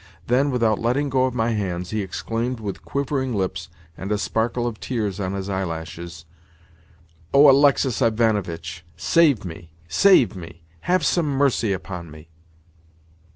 Then, without letting go of my hands, he exclaimed with quivering lips and a sparkle of tears on his eyelashes: "Oh, Alexis Ivanovitch! Save me, save me! Have some mercy upon me!"